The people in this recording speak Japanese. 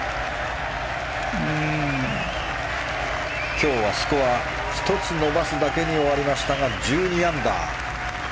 今日はスコアを１つ伸ばすだけに終わりましたが１２アンダー。